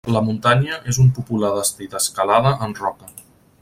La muntanya és un popular destí d'escalada en roca.